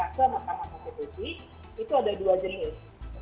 maka maka maka itu ada dua jenis